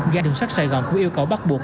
gà đường sắt sài gòn cũng yêu cầu bắt buộc